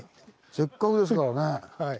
せっかくですからね。